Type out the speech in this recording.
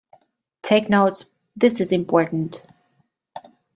Take notes; this is important.